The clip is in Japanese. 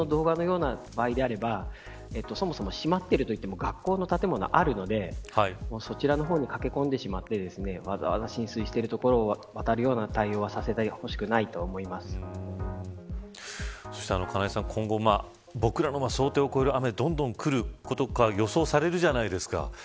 先ほどの動画のような場合であればそもそも閉まっているといっても学校の建物があるのでそちらに駆け込んでしまって浸水している所をわざわざ渡るような対応はそして金井さん、今後僕らの想定を超える雨どんどんくることが予想されるじゃないですか。